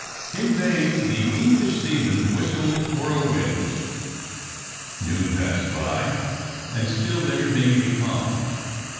In vain the English seamen whistled for a wind. Noon passed by, and still they remained becalmed.